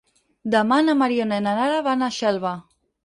Demà na Mariona i na Nara van a Xelva.